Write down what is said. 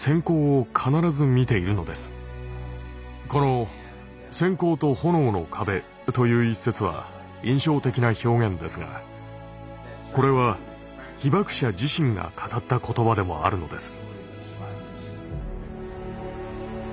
この「閃光と炎の壁」という一節は印象的な表現ですがこれは被爆者自身が語った言葉でもあるのです。